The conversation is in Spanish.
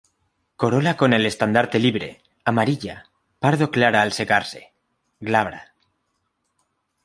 Corola con el estandarte libre, amarilla, pardo clara al secarse, glabra.